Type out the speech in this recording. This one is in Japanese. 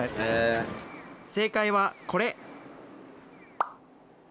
正解はこれ。